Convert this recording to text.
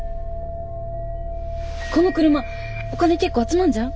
この車お金結構集まんじゃん？